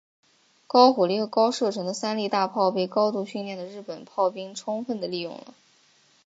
高火力和高射程的三笠大炮被高度训练的日本炮兵充分地利用了。